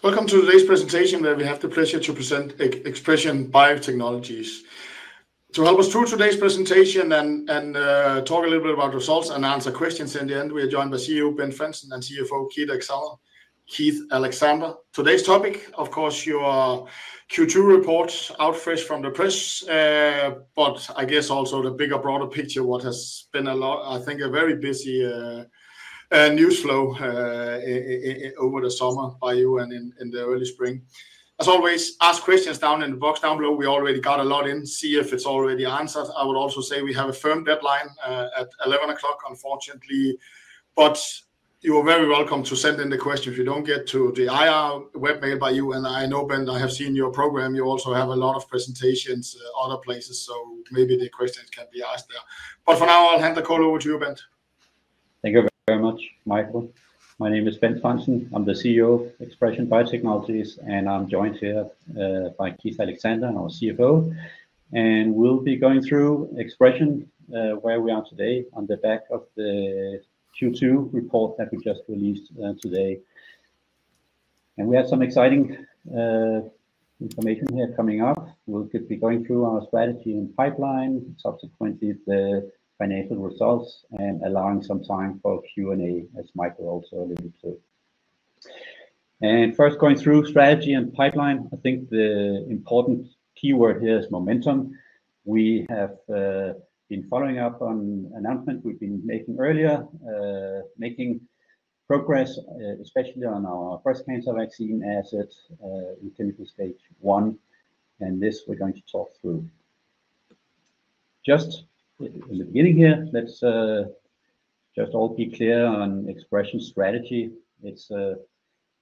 Welcome to today's presentation where we have the pleasure to present ExpreS2ion Biotechnologies. To help us through today's presentation and talk a little bit about results and answer questions in the end, we are joined by CEO Bent Frandsen and CFO Keith Alexander. Today's topic, of course, your Q2 report out fresh from the press, but I guess also the bigger broader picture, what has been a lot, I think, a very busy news flow over the summer by you and in the early spring. As always, ask questions down in the box down below. We already got a lot in. See if it's already answered. I would also say we have a firm deadline at 11:00 A.M., unfortunately. You are very welcome to send in the questions. If you don't get to the IR web made by you, and I know Bent, I have seen your program. You also have a lot of presentations at other places, so maybe the questions can be asked there. For now, I'll hand the call over to you, Bent. Thank you very much, Michael. My name is Bent Frandsen. I'm the CEO of ExpreS2ion Biotechnologies. Keith Alexander and I'll be going through ExpreS2ion, where we are today on the back of the Q2 report that we just released today. We had some exciting information here coming up. We'll be going through our strategy and pipeline, subsequently the financial results, and allowing some time for Q&A, as Michael also alluded to. First, going through strategy and pipeline, I think the important keyword here is momentum. We have been following up on the announcement we've been making earlier, making progress, especially on our breast cancer vaccine assets in clinical stage one. This we're going to talk through. Just in the beginning here, let's just all be clear on ExpreS2ion's strategy. It's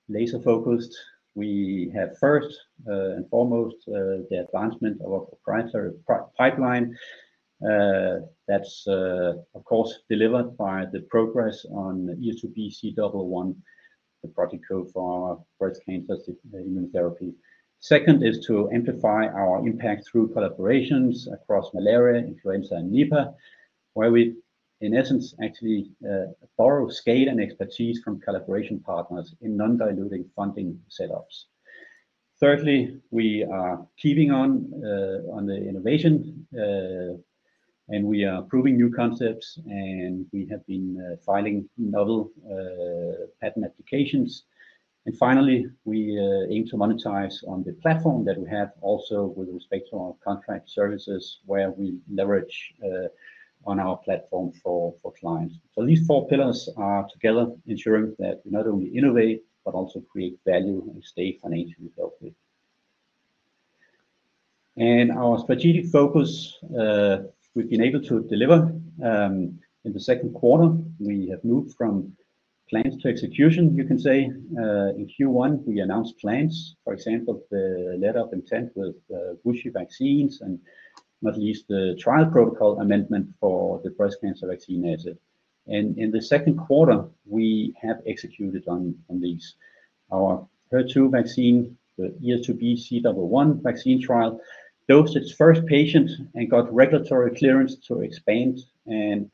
laser-focused. We have, first and foremost, the advancement of our proprietary pipeline. That's, of course, delivered by the progress on ES2B-C111, the project code for our breast cancer immunotherapy. Second is to amplify our impact through collaborations across malaria, influenza, and Nipah, where we, in essence, actually borrow scale and expertise from collaboration partners in non-dilutive funding setups. Thirdly, we are keeping on the innovation, and we are proving new concepts, and we have been filing novel patent applications. Finally, we aim to monetize on the platform that we have also with respect to our contract services, where we leverage on our platform for clients. At least four pillars are together, ensuring that we not only innovate, but also create value and stay financially profit. Our strategic focus, we've been able to deliver in the second quarter. We have moved from plans to execution, you can say. In Q1, we announced plans. For example, the letter of intent with WuXi Vaccines and not least the trial protocol amendment for the breast cancer vaccine asset. In the second quarter, we have executed on these. Our HER2 vaccine, the ES2B-C111 vaccine trial, dosed its first patient and got regulatory clearance to expand, and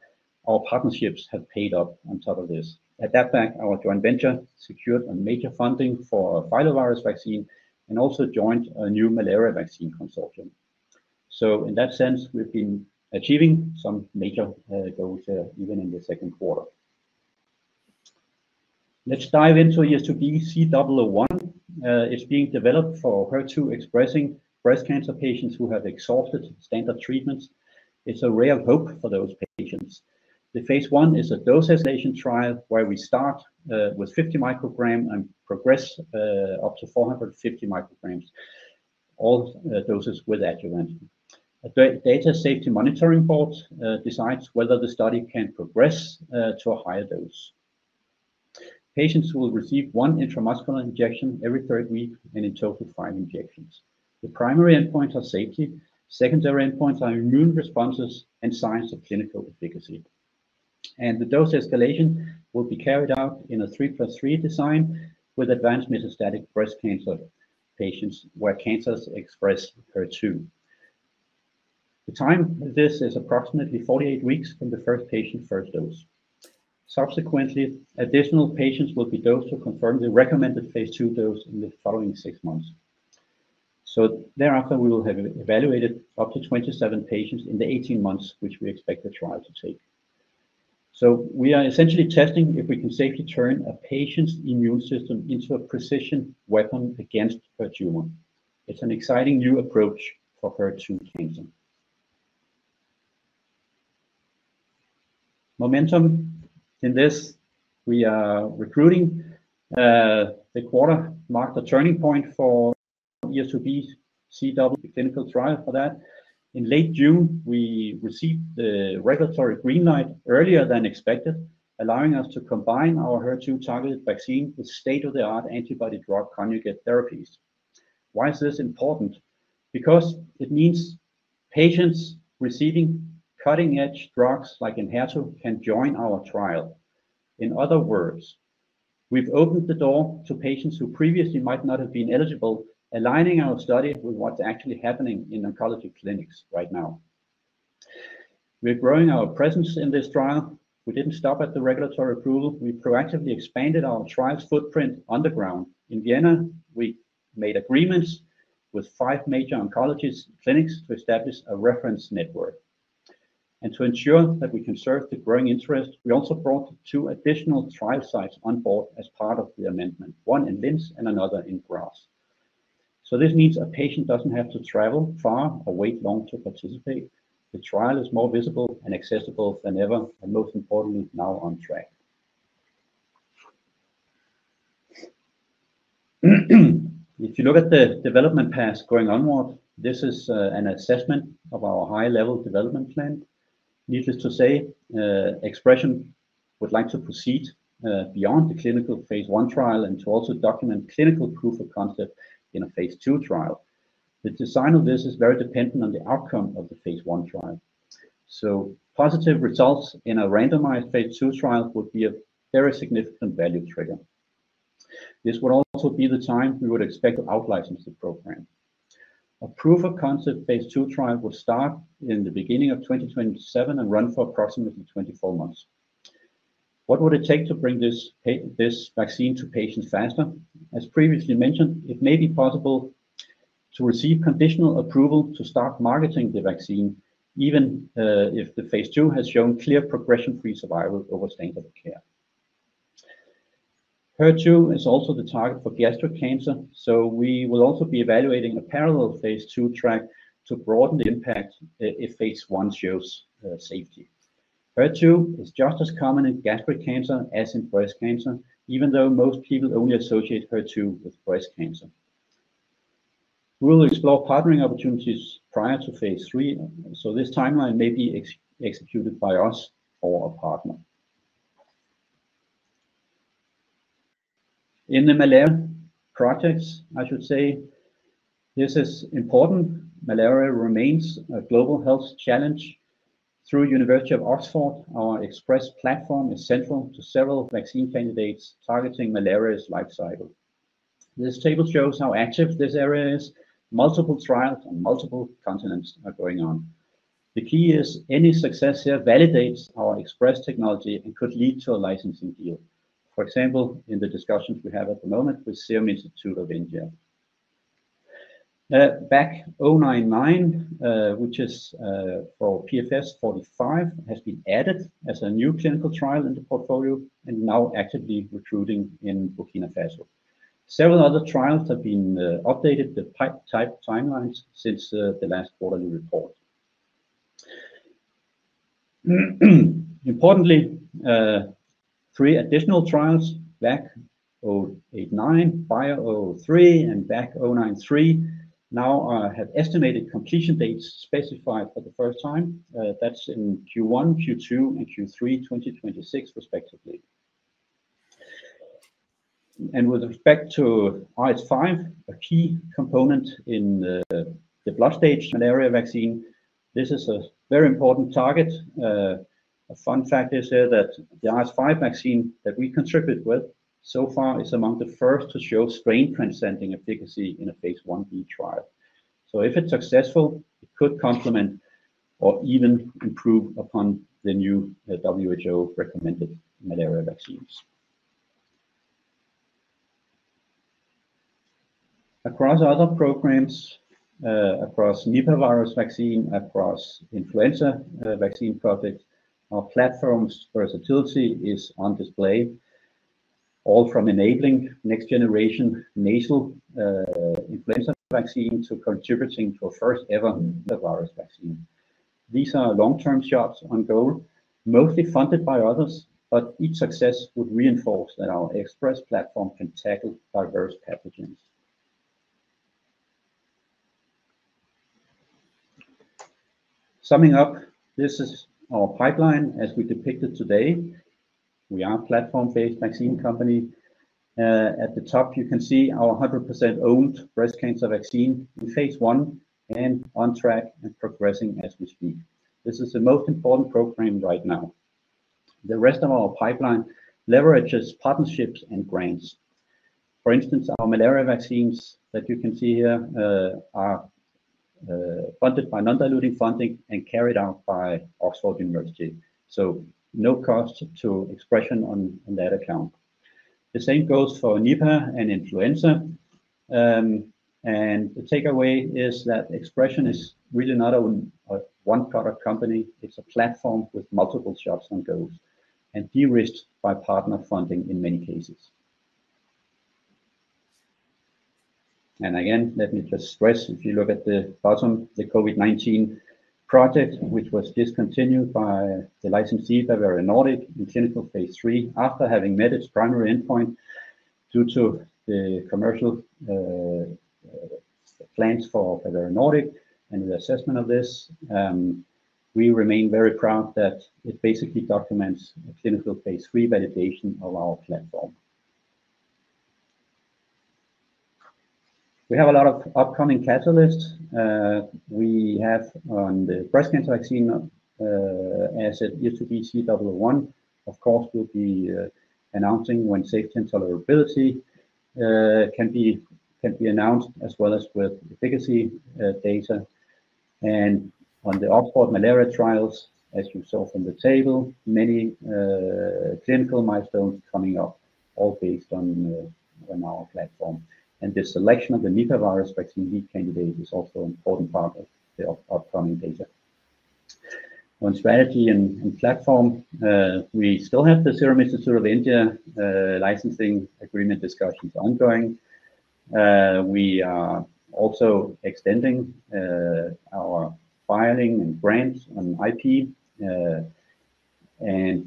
our partnerships have paid off on top of this. In fact, our joint venture secured a major funding for a viral virus vaccine and also joined a new malaria vaccine consortium. In that sense, we've been achieving some major goals here even in the second quarter. Let's dive into ES2B-C111. It's being developed for HER2 expressing breast cancer patients who have exhausted standard treatments. It's a ray of hope for those patients. The phase I is a dose escalation trial where we start with 50 micrograms and progress up to 450 micrograms, all doses with adjuvant. A data safety monitoring board decides whether the study can progress to a higher dose. Patients will receive one intramuscular injection every third week and in total five injections. The primary endpoints are safety. Secondary endpoints are immune responses and signs of clinical efficacy. The dose escalation will be carried out in a three plus three design with advanced metastatic breast cancer patients where cancers express HER2. The time in this is approximately 48 weeks from the first patient's first dose. Subsequently, additional patients will be dosed to confirm the recommended phase II dose in the following six months. Thereafter, we will have evaluated up to 27 patients in the 18 months which we expect the trial to take. We are essentially testing if we can safely turn a patient's immune system into a precision weapon against HER2. It's an exciting new approach for HER2 cancer. Momentum in this, we are recruiting. The quarter marked the turning point for ES2B-C111 clinical trial for that. In late June, we received the regulatory green light earlier than expected, allowing us to combine our HER2 targeted vaccine with state-of-the-art antibody drug conjugate therapies. Why is this important? Because it means patients receiving cutting-edge drugs like. Enhertu can join our trial. In other words, we've opened the door to patients who previously might not have been eligible, aligning our study with what's actually happening in oncology clinics right now. We're growing our presence in this trial. We didn't stop at the regulatory approval. We proactively expanded our trial's footprint on the ground. In Vienna, we made agreements with five major oncology clinics to establish a reference network. To ensure that we can serve the growing interest, we also brought two additional trial sites on board as part of the amendment, one in Linz and another in Graz. This means a patient doesn't have to travel far or wait long to participate. The trial is more visible and accessible than ever, and most importantly, now on track. If you look at the development path going onward, this is an assessment of our high-level development plan. Needless to say, ExpreS2ion would like to proceed beyond the clinical phase I trial and to also document clinical proof of concept in a phase II trial. The design of this is very dependent on the outcome of the phase I trial. Positive results in a randomized phase II trial would be a very significant value trigger. This would also be the time we would expect to out-license the program. A proof of concept phase II trial would start in the beginning of 2027 and run for approximately 24 months. What would it take to bring this vaccine to patients faster? As previously mentioned, it may be possible to receive conditional approval to start marketing the vaccine, even if the phase II has shown clear progression-free survival over standard of care. HER2 is also the target for gastric cancer, so we will also be evaluating a parallel phase II track to broaden the impact if phase I shows safety. HER2 is just as common in gastric cancer as in breast cancer, even though most people only associate HER2 with breast cancer. We'll explore partnering opportunities prior to phase III, so this timeline may be executed by us or a partner. In the malaria projects, I should say, this is important. Malaria remains a global health challenge. Through the University of Oxford, our ExpreS2ion platform is central to several vaccine candidates targeting malaria's life cycle. This table shows how active this area is. Multiple trials on multiple continents are going on. The key is any success here validates our ExpreS2ion technology and could lead to a licensing deal. For example, in the discussions we have at the moment with the Serum Institute of India. BACK 099, which is for PFS 45, has been added as a new clinical trial in the portfolio and now actively recruiting in Burkina Faso. Several other trials have been updated with pipeline timelines since the last quarterly report. Importantly, three additional trials, BLACK 089, BIO 03, and BLACK 093, now have estimated completion dates specified for the first time. That's in Q1, Q2, and Q3 2026, respectively. With respect to RS5, a key component in the blood stage malaria vaccine, this is a very important target. A fun fact is here that the RS5 vaccine that we contributed with so far is among the first to show strain transcending efficacy in a phase I B trial. If it's successful, it could complement or even improve upon the new WHO recommended malaria vaccines. Across other programs, across Nipah virus vaccine, across influenza vaccine projects, our platform's versatility is on display, all from enabling next-generation nasal influenza vaccine to contributing to a first-ever virus vaccine. These are long-term shots on goal, mostly funded by others, but each success would reinforce that our ExpreS2ion platform can tackle diverse pathogens. Summing up, this is our pipeline as we depicted today. We are a platform-based vaccine company. At the top, you can see our 100% owned breast cancer vaccine in phase I and on track and progressing as we speak. This is the most important program right now. The rest of our pipeline leverages partnerships and grants. For instance, our malaria vaccines that you can see here are funded by non-dilutive funding and carried out by University of Oxford. No cost to ExpreS2ion on that account. The same goes for Nipah and influenza. The takeaway is that ExpreS2ion is really not a one-product company. It's a platform with multiple shots on goals and de-risked by partner funding in many cases. If you look at the bottom, the COVID-19 project, which was discontinued by the licensee Bavarian Nordic in clinical phase III after having met its primary endpoint due to the commercial plans for Bavarian Nordic. In the assessment of this, we remain very proud that it basically documents a clinical phase III validation of our platform. We have a lot of upcoming catalysts. We have on the breast cancer vaccine asset ES2B-C111, of course, we'll be announcing when safety and tolerability can be announced as well as with efficacy data. On the Oxford malaria trials, as you saw from the table, many clinical milestones coming up, all based on our platform. The selection of the Nipah virus vaccine lead candidate is also an important part of the upcoming data. On strategy and platform, we still have the Serum Institute of India licensing agreement discussions ongoing. We are also extending our filing and grants on IP.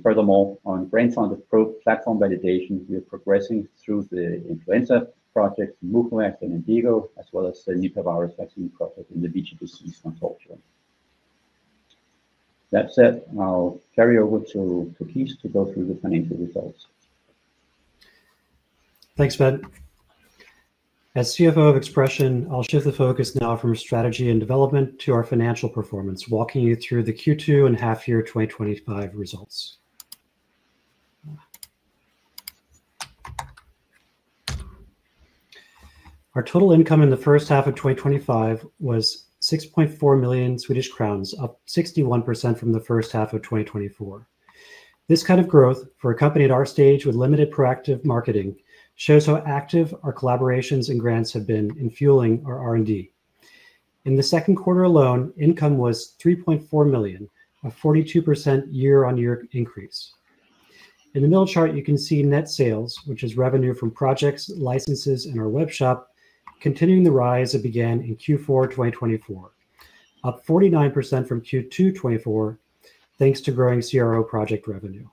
Furthermore, on [grand fund] pro platform validation, we are progressing through the influenza project, Mukovacs and Indigo, as well as the Nipah virus vaccine in the BGPCs consortium. That said, I'll carry over to Keith to go through the financial results. Thanks, Bent. As CFO of ExpreS2ion, I'll shift the focus now from strategy and development to our financial performance, walking you through the Q2 and half-year 2025 results. Our total income in the first half of 2025 was 6.4 million Swedish crowns, up 61% from the first half of 2024. This kind of growth for a company at our stage with limited proactive marketing shows how active our collaborations and grants have been in fueling our R&D. In the second quarter alone, income was 3.4 million, a 42% year-on-year increase. In the middle chart, you can see net sales, which is revenue from projects, licenses, and our web shop, continuing the rise that began in Q4 2024, up 49% from Q2 2024, thanks to growing CRO project revenue.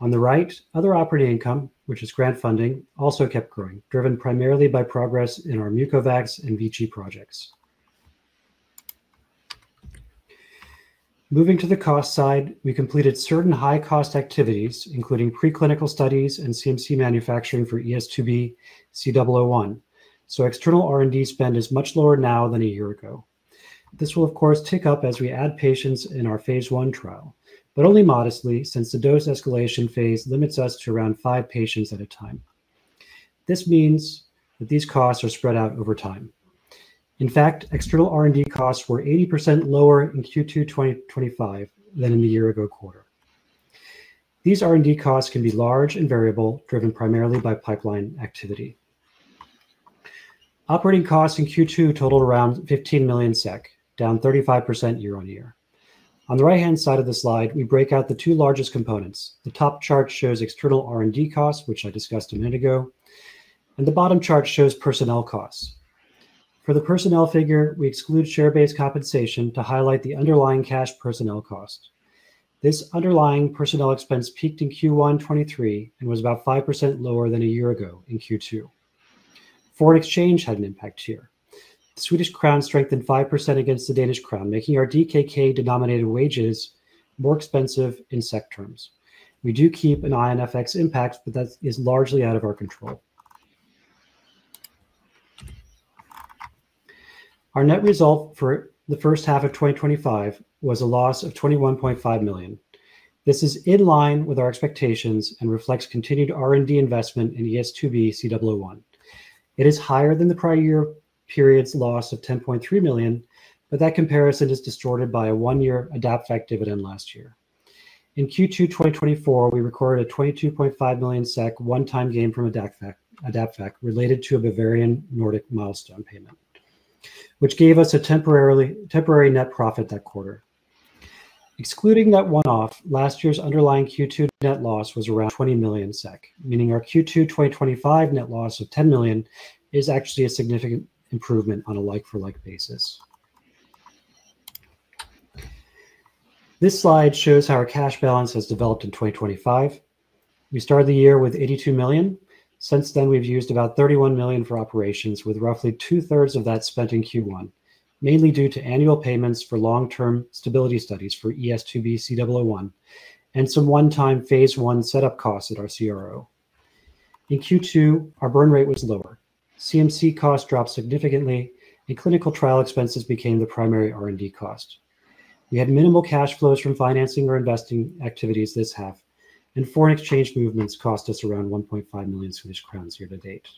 On the right, other operating income, which is grant funding, also kept growing, driven primarily by progress in our Mukovacs and VG projects. Moving to the cost side, we completed certain high-cost activities, including preclinical studies and CMC manufacturing for ES2B-C111. External R&D spend is much lower now than a year ago. This will, of course, tick up as we add patients in our phase I trial, but only modestly since the dose escalation phase limits us to around five patients at a time. This means that these costs are spread out over time. In fact, external R&D costs were 80% lower in Q2 2025 than in the year-ago quarter. These R&D costs can be large and variable, driven primarily by pipeline activity. Operating costs in Q2 total around 15 million SEK, down 35% year-on-year. On the right-hand side of the slide, we break out the two largest components. The top chart shows external R&D costs, which I discussed a minute ago, and the bottom chart shows personnel costs. For the personnel figure, we exclude share-based compensation to highlight the underlying cash personnel cost. This underlying personnel expense peaked in Q1 2023 and was about 5% lower than a year ago in Q2. Foreign exchange had an impact here. The Swedish crown strengthened 5% against the Danish crown, making our DKK-denominated wages more expensive in SEK terms. We do keep an INFX impact, but that is largely out of our control. Our net result for the first half of 2025 was a loss of 21.5 million. This is in line with our expectations and reflects continued R&D investment in ES2B-C111. It is higher than the prior year period's loss of 10.3 million, but that comparison is distorted by a one-year AdaptVac dividend last year. In Q2 2024, we recorded a 22.5 million SEK one-time gain from AdaptVac related to a Bavarian Nordic milestone payment, which gave us a temporary net profit that quarter. Excluding that one-off, last year's underlying Q2 net loss was around 20 million SEK, meaning our Q2 2025 net loss of 10 million is actually a significant improvement on a like-for-like basis. This slide shows how our cash balance has developed in 2025. We started the year with 82 million. Since then, we've used about 31 million for operations, with roughly two-thirds of that spent in Q1, mainly due to annual payments for long-term stability studies for ES2B-C111 and some one-time phase I setup costs at our CRO. In Q2, our burn rate was lower. CMC costs dropped significantly, and clinical trial expenses became the primary R&D cost. We had minimal cash flows from financing or investing activities this half, and foreign exchange movements cost us around 1.5 million Swedish crowns year to date.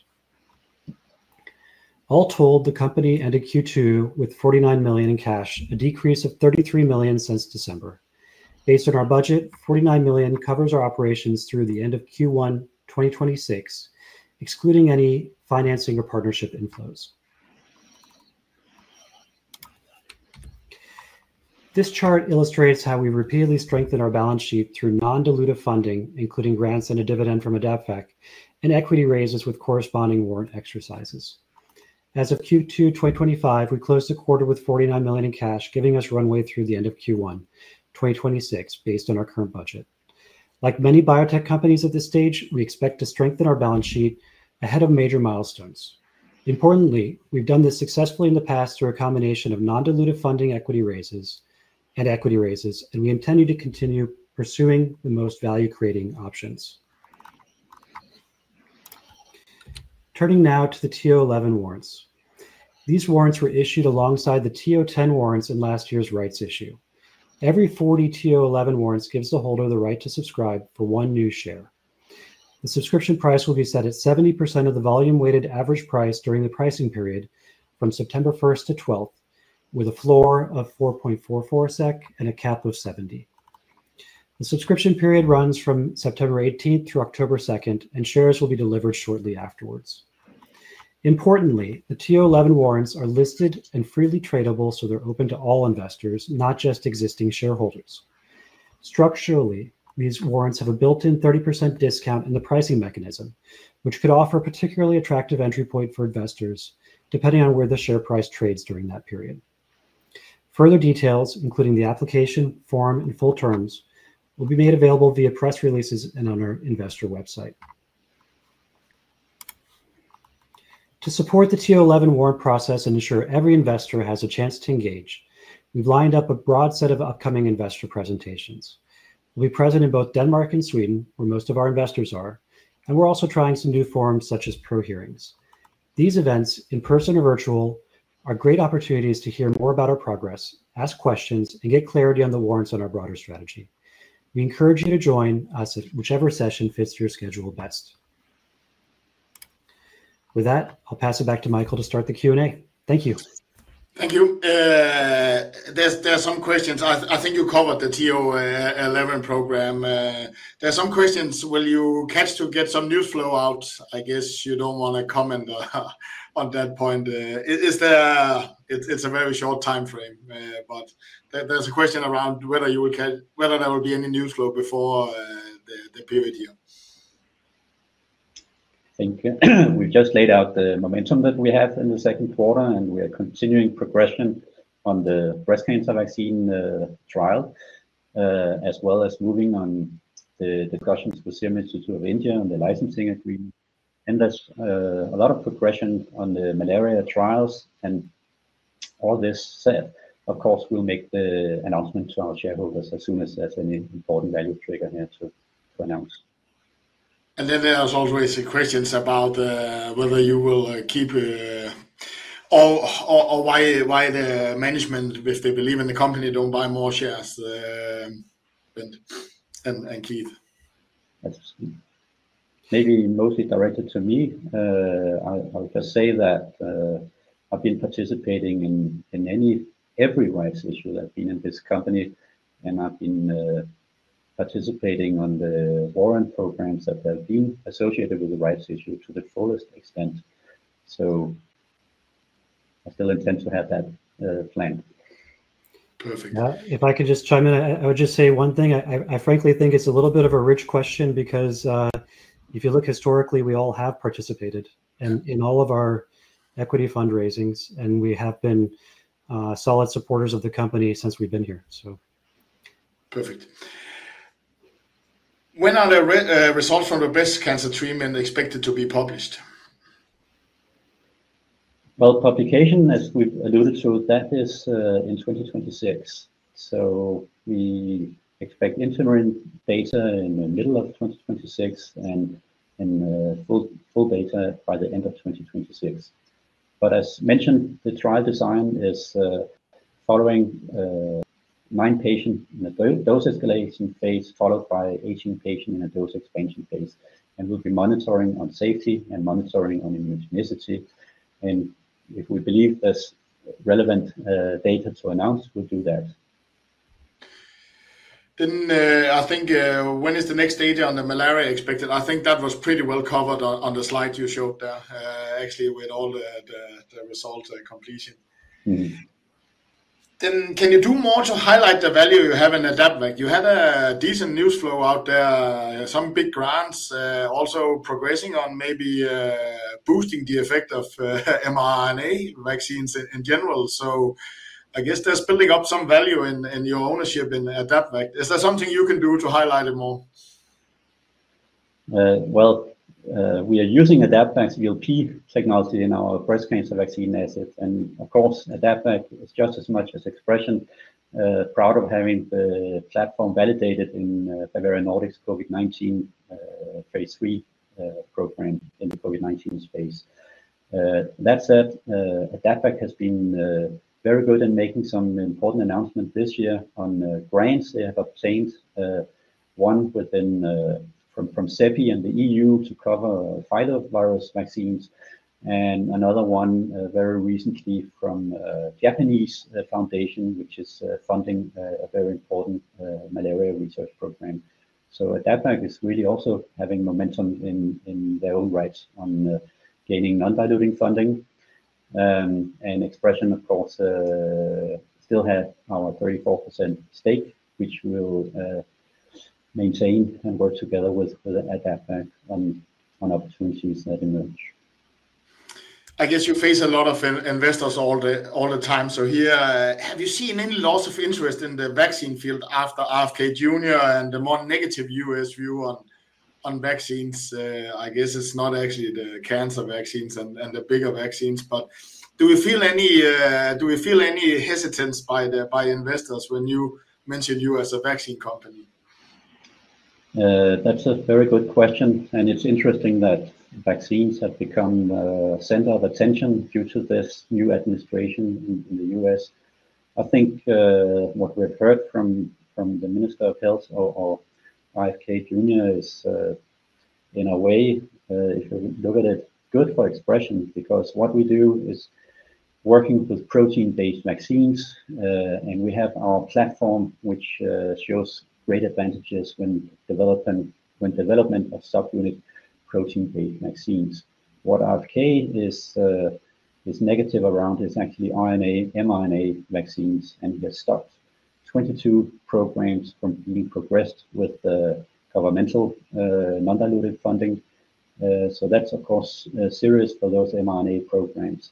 All told, the company ended Q2 with 49 million in cash, a decrease of 33 million since December. Based on our budget, 49 million covers our operations through the end of Q1 2026, excluding any financing or partnership inflows. This chart illustrates how we repeatedly strengthen our balance sheet through non-dilutive funding, including grants and a dividend from AdaptVac and equity raises with corresponding warrant exercises. As of Q2 2025, we closed the quarter with 49 million in cash, giving us runway through the end of Q1 2026 based on our current budget. Like many biotech companies at this stage, we expect to strengthen our balance sheet ahead of major milestones. Importantly, we've done this successfully in the past through a combination of non-dilutive funding and equity raises, and we intend to continue pursuing the most value-creating options. Turning now to the TO11 warrants. These warrants were issued alongside the TO10 warrants in last year's rights issue. Every 40 TO11 warrants gives a holder the right to subscribe for one new share. The subscription price will be set at 70% of the volume-weighted average price during the pricing period from September 1st to September 12, with a floor of 4.44 SEK and a cap of 70. The subscription period runs from September 18 through October 2, and shares will be delivered shortly afterwards. Importantly, the TO11 warrants are listed and freely tradable, so they're open to all investors, not just existing shareholders. Structurally, these warrants have a built-in 30% discount in the pricing mechanism, which could offer a particularly attractive entry point for investors depending on where the share price trades during that period. Further details, including the application form and full terms, will be made available via press releases and on our investor website. To support the TO11 warrant process and ensure every investor has a chance to engage, we've lined up a broad set of upcoming investor presentations. We'll be present in both Denmark and Sweden, where most of our investors are, and we're also trying some new forms such as pro hearings. These events, in person or virtual, are great opportunities to hear more about our progress, ask questions, and get clarity on the warrants on our broader strategy. We encourage you to join us at whichever session fits your schedule best. With that, I'll pass it back to Michael to start the Q&A. Thank you. Thank you. There are some questions. I think you covered the TO11 warrant program. There are some questions. Will you catch to get some news flow out? I guess you don't want to comment on that point. It's a very short time frame, but there's a question around whether you will catch, whether there will be any news flow before the period here. I think we've just laid out the momentum that we have in the second quarter, and we are continuing progression on the breast cancer vaccine trial, as well as moving on the discussions with the Serum Institute of India on the licensing agreement. There is a lot of progression on the malaria trials. All this said, of course, we'll make the announcement to our shareholders as soon as there's any important value trigger here to announce. There are always questions about whether you will keep or why the management, if they believe in the company, don't buy more shares. Keith? Maybe mostly directed to me, I'll just say that I've been participating in every rights issue that I've been in this company, and I've been participating on the warrant programs that have been associated with the rights issue to the fullest extent. I still intend to have that planned. Perfect. If I could just chime in, I would just say one thing. I frankly think it's a little bit of a rich question, because if you look historically, we all have participated in all of our equity fundraisings, and we have been solid supporters of the company since we've been here. Perfect. When are the results from the breast cancer treatment expected to be published? Publication, as we've alluded to, that is in 2026. We expect interim data in the middle of 2026 and full data by the end of 2026. As mentioned, the trial design is following nine patient dose escalation phase, followed by 18 patient in a dose expansion phase. We'll be monitoring on safety and monitoring on immunogenicity. If we believe there's relevant data to announce, we'll do that. When is the next data on the malaria expected? I think that was pretty well covered on the slides you showed there, actually, with all the results completed. Can you do more to highlight the value you have in AdaptVac? You had a decent news flow out there, some big grants also progressing on maybe boosting the effect of mRNA vaccines in general. I guess there's building up some value in your ownership in AdaptVac. Is there something you can do to highlight it more? We are using AdaptVac's VLP technology in our breast cancer vaccine asset. AdaptVac is just as much as ExpreS2ion proud of having the platform validated in Bavarian Nordic's COVID-19 phase III program in the COVID-19 space. That said, AdaptVac has been very good in making some important announcements this year on grants they have obtained, one from CEPI and the EU to cover viral virus vaccines, and another one very recently from the Japanese Foundation, which is funding a very important malaria research program. AdaptVac is really also having momentum in their own rights on gaining non-dilutive funding. ExpreS2ion, of course, still has our 34% stake, which we'll maintain and work together with AdaptVac on opportunities that emerge. I guess you face a lot of investors all the time. Have you seen any loss of interest in the vaccine field after RFK Jr. and the more negative U.S. view on vaccines? I guess it's not actually the cancer vaccines and the bigger vaccines. Do we feel any hesitance by investors when you mention you as a vaccine company? That's a very good question. It's interesting that vaccines have become the center of attention due to this new administration in the U.S. I think what we've heard from the Minister of Health or RFK Jr. is, in a way, if you look at it, good for ExpreS2ion because what we do is working with protein-based vaccines. We have our platform, which shows great advantages when development of subunit protein-based vaccines. What RFK is negative around is actually mRNA vaccines. He has stopped 22 programs from being progressed with the governmental non-dilutive funding. That's, of course, serious for those mRNA programs.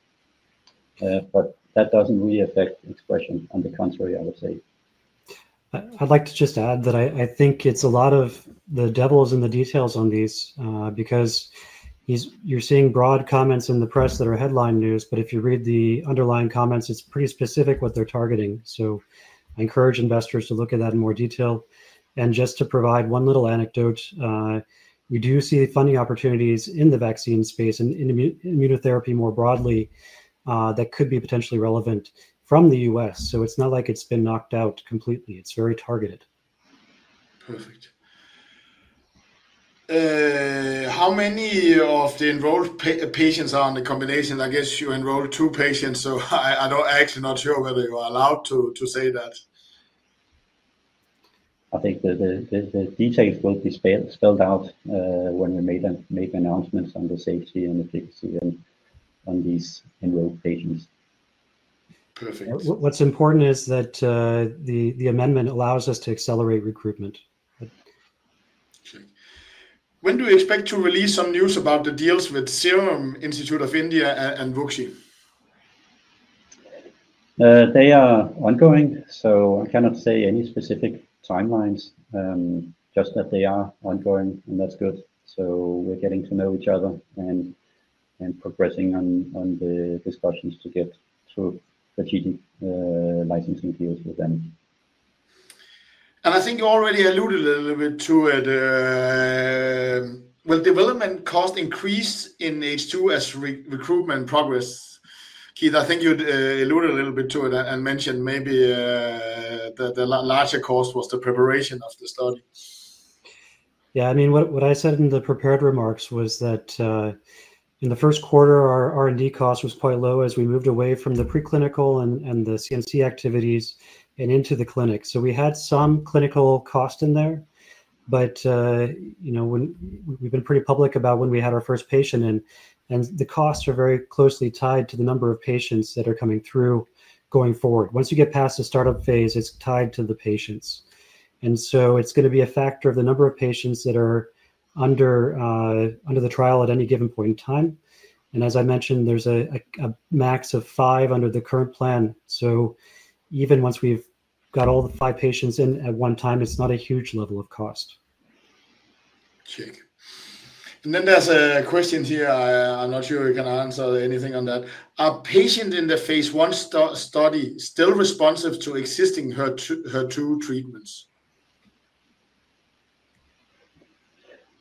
That doesn't really affect ExpreS2ion. On the contrary, I would say. I'd like to just add that I think a lot of the devil is in the details on these because you're seeing broad comments in the press that are headline news. If you read the underlying comments, it's pretty specific what they're targeting. I encourage investors to look at that in more detail. Just to provide one little anecdote, we do see funding opportunities in the vaccine space and immunotherapy more broadly that could be potentially relevant from the U.S. It's not like it's been knocked out completely. It's very targeted. Perfect. How many of the enrolled patients are on the combination? I guess you enrolled two patients, so I'm actually not sure whether you're allowed to say that. I think the details won't be spelled out when we make announcements on the safety and efficacy on these enrolled patients. What's important is that the amendment allows us to accelerate recruitment. When do you expect to release some news about the deals with Serum Institute of India and WuXi? They are ongoing, so I cannot say any specific timelines, just that they are ongoing, and that's good. We are getting to know each other and progressing on the discussions to get to strategic licensing deals with them. I think you already alluded a little bit to it. Will development costs increase in H2 as recruitment progresses? Keith, I think you'd alluded a little bit to it and mentioned maybe that the larger cost was the preparation of the study. Yeah, I mean, what I said in the prepared remarks was that in the first quarter, our R&D cost was quite low as we moved away from the preclinical and the CMC activities and into the clinic. We had some clinical cost in there, but you know we've been pretty public about when we had our first patient, and the costs are very closely tied to the number of patients that are coming through going forward. Once you get past the startup phase, it's tied to the patients. It's going to be a factor of the number of patients that are under the trial at any given point in time. As I mentioned, there's a max of five under the current plan. Even once we've got all the five patients in at one time, it's not a huge level of cost. There's a question here. I'm not sure we can answer anything on that. Are patients in the phase I study still responsive to existing HER2 treatments?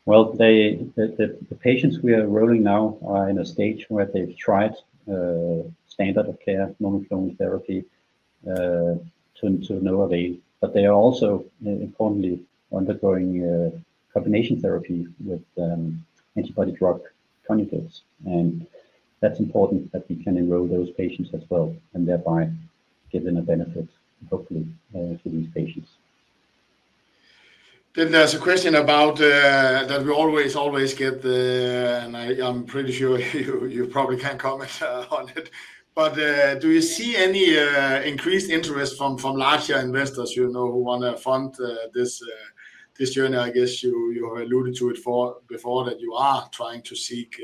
The patients we are enrolling now are in a stage where they've tried standard of care monoclonal therapy to no avail, but they are also importantly undergoing combination therapy with antibody drug conjugates. It's important that we can enroll those patients as well and thereby give them a benefit, hopefully, for these patients. There is a question about that we always, always get, and I'm pretty sure you probably can't comment on it. Do you see any increased interest from larger investors who want to fund this journey? I guess you alluded to it before that you are trying to seek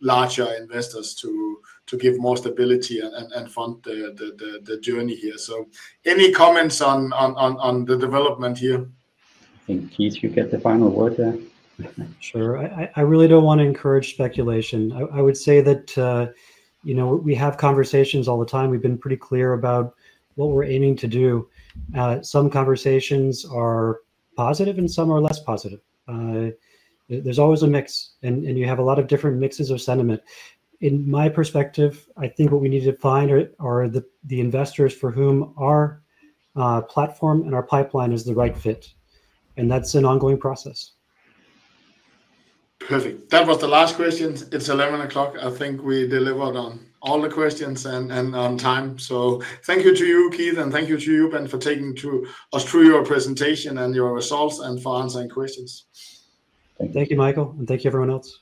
larger investors to give more stability and fund the journey here. Any comments on the development here? I think, Keith, you get the final word here. Sure. I really don't want to encourage speculation. I would say that we have conversations all the time. We've been pretty clear about what we're aiming to do. Some conversations are positive and some are less positive. There's always a mix, and you have a lot of different mixes of sentiment. In my perspective, I think what we need to find are the investors for whom our platform and our pipeline is the right fit. That's an ongoing process. Perfect. That was the last question. It's 11:00 A.M. I think we delivered on all the questions and on time. Thank you to you, Keith, and thank you to you, Bent, for taking us through your presentation and your results and for answering questions. Thank you, Michael, and thank you, everyone else.